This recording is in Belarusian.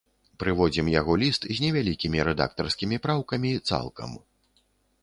Прыводзім яго ліст з невялікімі рэдактарскімі праўкамі цалкам.